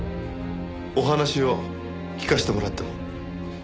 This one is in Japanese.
お話を聞かせてもらっても？